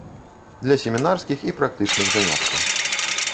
Для семінарскіх і практычных заняткаў.